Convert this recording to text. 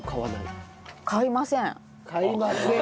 買いません。